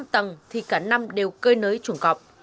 năm tầng thì cả năm đều cơ nới trộm cọp